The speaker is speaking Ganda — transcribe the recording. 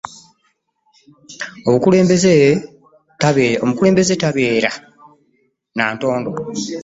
Omukulembeze tabeera na ntondo.